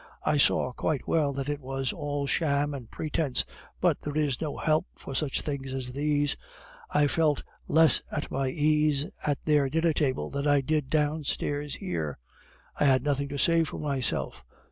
I saw quite well that it was all sham and pretence, but there is no help for such things as these. I felt less at my ease at their dinner table than I did downstairs here. I had nothing to say for myself.